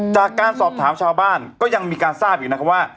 จากการสอบถามชาวบ้านก็ยังมีการทราบอยู่นะครับว่า